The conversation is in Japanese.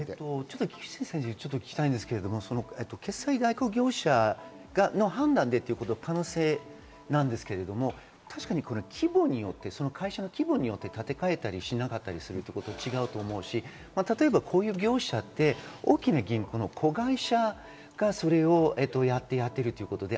菊地先生に聞きたいのですが、決済代行業者の判断でという可能性ですが、確かに規模によって会社の規模によって立て替えたりしなかったりするということは違うと思うし、例えばこういう業者は大きな銀行の子会社がそれをやっているということで。